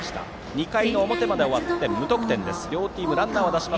２回の表まで終わって無得点。